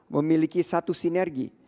memiliki satu sinergi